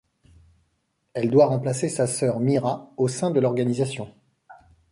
Elle doit remplacer sa sœur Mira au sein de l'organisation.